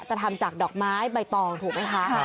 ทำจากดอกไม้ใบตองถูกไหมคะ